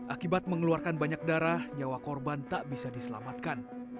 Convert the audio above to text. akibat mengeluarkan banyak darah nyawa korban tak bisa diselamatkan